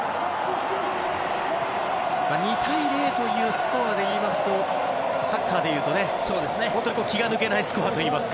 ２対０というスコアでいいますとサッカーで言うと気が抜けないスコアといいますか。